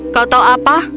kau tahu apa